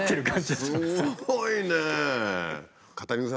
すごいね！